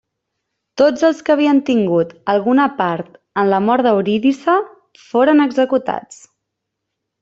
Tots els que havien tingut alguna part en la mort d'Eurídice foren executats.